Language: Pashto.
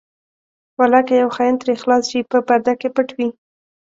ولاکه یو خاین ترې خلاص شي په پرده کې پټ وي.